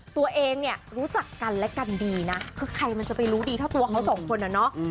ตัวเองรู้จักกันและกันดีนะเพราะใครมันจะไปรู้ดีถ้าตัวเขาสองคนน่ะ